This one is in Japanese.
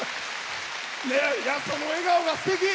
その笑顔がすてき。